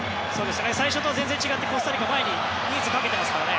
最初と全然違ってコスタリカ前に人数かけてますからね。